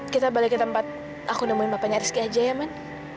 kita balik ke tempat aku nemuin bapaknya rizky aja ya man